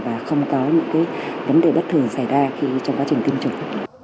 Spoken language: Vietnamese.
và không có những vấn đề bất thường xảy ra khi trong quá trình tiêm chủng